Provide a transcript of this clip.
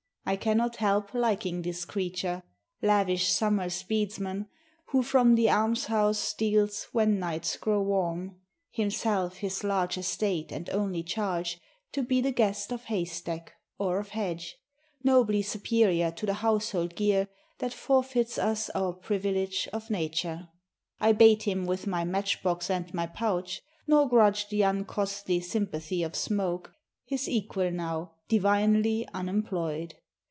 I cannot help Liking this creature, lavish Summer's bedesman, Who from the almshouse steals when nights grow warm, Himself his large estate and only charge, To be the guest of haystack or of hedge, Nobly superior to the household gear That forfeits us our privilege of nature. I bait him with my match box and my pouch, Nor grudge the uncostly sympathy of smoke, His equal now, divinely unemployed.